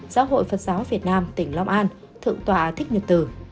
giáo hội phật giáo việt nam tỉnh long an thượng tọa thích nhật tử